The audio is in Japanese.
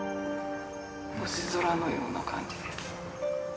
星空のような感じです。